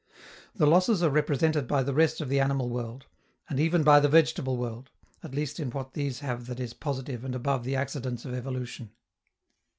The losses are represented by the rest of the animal world, and even by the vegetable world, at least in what these have that is positive and above the accidents of evolution.